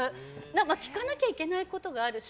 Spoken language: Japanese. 聞かなきゃいけないことがあるし